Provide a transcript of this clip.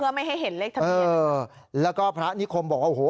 ไม่ให้เห็นเลขทะเบียนเออแล้วก็พระนิคมบอกว่าโอ้โห